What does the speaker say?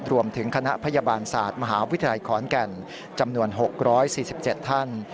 คณะพยาบาลศาสตร์มหาวิทยาลัยขอนแก่นจำนวน๖๔๗ท่าน